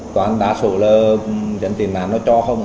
còn anh đa số là dân tình mà nó cho không ạ